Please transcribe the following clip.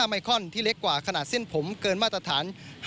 ไมคอนที่เล็กกว่าขนาดเส้นผมเกินมาตรฐาน